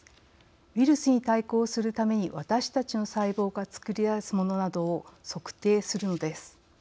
ウイルスに対抗するために私たちの細胞が作りだすものなどを測定するのです。